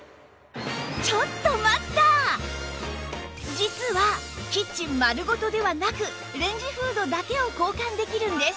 実はキッチン丸ごとではなくレンジフードだけを交換できるんです